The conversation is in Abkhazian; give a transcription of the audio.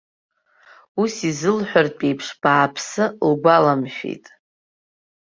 Ус изылҳәартә еиԥш, бааԥсы лгәаламшәеит.